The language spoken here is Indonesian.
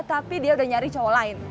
tapi dia udah nyari cowok lain